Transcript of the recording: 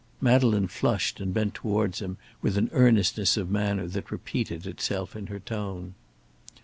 Madeleine flushed and bent towards him with an earnestness of manner that repeated itself in her tone.